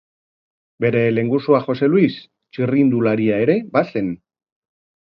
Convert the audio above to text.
Bere lehengusua Jose Luis txirrindularia ere bazen.